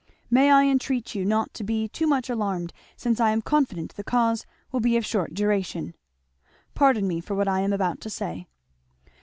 May I entreat you not to be too much alarmed, since I am confident the cause will be of short duration. "Pardon me for what I am about to say.